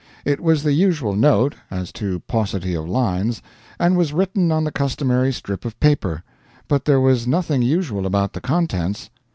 It was the usual note as to paucity of lines and was written on the customary strip of paper; but there was nothing usual about the contents.